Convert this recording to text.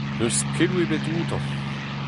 N'eus keloù ebet outañ.